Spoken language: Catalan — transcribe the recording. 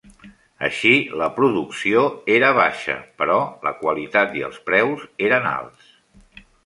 Així, la producció era baixa, però la qualitat i els preus eren alts.